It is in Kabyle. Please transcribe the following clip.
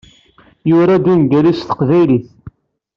Yura-d ungal-is s teqbaylit.